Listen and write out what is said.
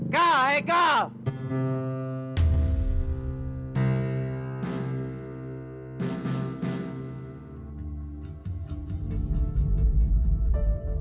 kak eh kak